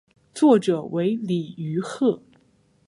作者为李愚赫。